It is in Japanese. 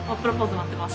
待ってます。